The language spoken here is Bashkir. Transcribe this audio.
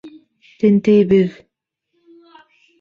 Тентейбеҙ!